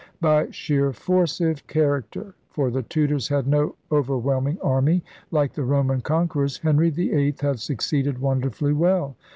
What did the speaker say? By sheer force of character — for the Tudors had no overwhelm ing army like the Roman emperors' — Henry VIII had succeeded wonderfully well.